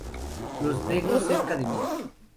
Los negros cerca de mí.